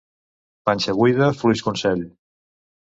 Panxa buida, fluix consell.